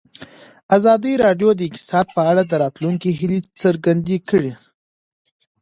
ازادي راډیو د اقتصاد په اړه د راتلونکي هیلې څرګندې کړې.